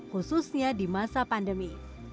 khususnya di masa pandemi